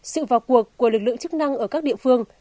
sự vào cuộc của lực lượng chức năng ở các địa phương